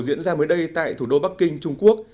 diễn ra mới đây tại thủ đô bắc kinh trung quốc